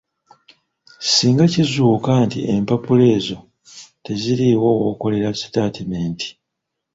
Singa kizuuka nti empapula ezo teziriiwo w’okolera sitaatimenti.